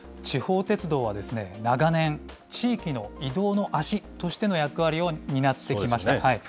地方鉄道は、長年、地域の移動の足としての役割を担ってきました。